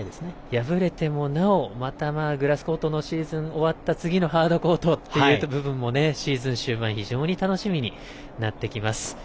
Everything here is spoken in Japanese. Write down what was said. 敗れてもなおグラスコートのシーズン終わった次のハードコートっていう部分もシーズン、楽しみになってきます。